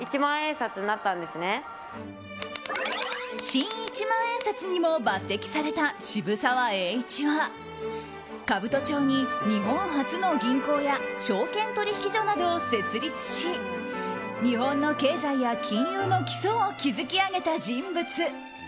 新一万円札にも抜擢された渋沢栄一は、兜町に日本初の銀行や証券取引所などを設立し日本の経済や金融の基礎を築き上げた人物。